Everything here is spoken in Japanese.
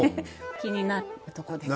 気になるところです。